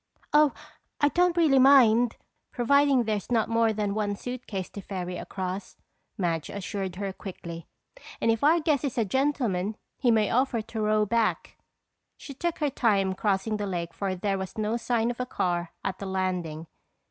"Oh, I don't really mind, providing there's not more than one suitcase to ferry across," Madge assured her quickly. "And if our guest is a gentleman he may offer to row back." She took her time crossing the lake for there was no sign of a car at the landing.